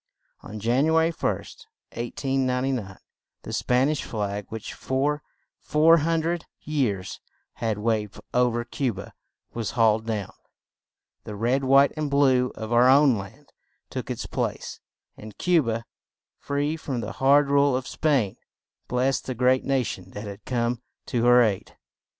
On Jan u a ry 1st, 1899, the Span ish flag, which for four hun dred years had waved o ver Cu ba, was hauled down; the red, white and blue of our own land took its place; and Cu ba, free from the hard rule of Spain, blessed the great na tion that had come to her aid.